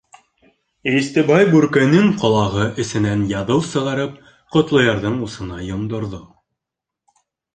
Истебай, бүркенең ҡолағы эсенән яҙыу сығарып, Ҡотлоярҙың усына йомдорҙо.